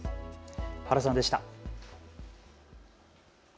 原さんでした。